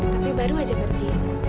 tapi baru aja pergi